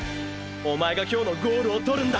おまえが今日のゴールを獲るんだ！